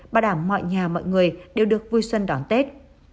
bảo đảm mọi nhà mọi người đều được vui xuân đón tết